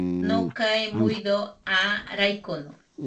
Nokae muido aa raikono.